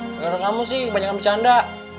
gara gara kamu sih banyak yang bercanda